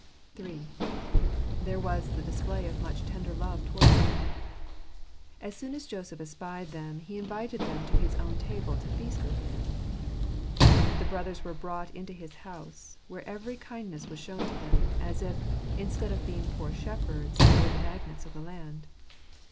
HI. There was the Display of much Tender Love towards Them. As soon as Joseph espied them he invited them to his own table to feast with him. The brothers were brought into bis house, where every kindness was shown to them ; as if, instead of being poor shepherds, they were the magnates of the land.